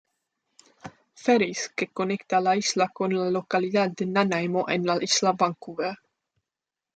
Ferries que conecta la isla con la localidad de Nanaimo en la Isla Vancouver.